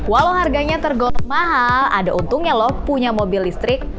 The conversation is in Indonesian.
walau harganya tergolong mahal ada untungnya loh punya mobil listrik